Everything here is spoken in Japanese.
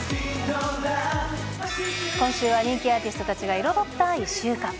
今週は人気アーティストたちが彩った１週間。